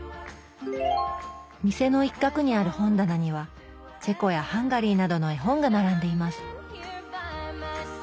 店の一角にある本棚にはチェコやハンガリーなどの絵本が並んでいます